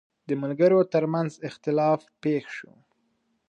د ملګرو ترمنځ اختلاف پېښ شو.